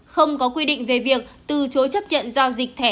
không có quy định về việc từ chối chấp nhận giao dịch thẻ